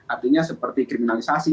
artinya seperti kriminalisasi